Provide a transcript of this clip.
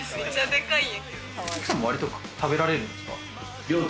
奥さんも割と食べられるんですか？